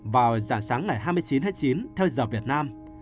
vào giảng sáng ngày hai mươi chín chín theo giờ việt nam